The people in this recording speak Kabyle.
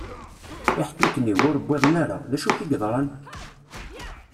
Iḥtuten-iw, ur uwiḍen ara. D acu akka i yeḍṛan?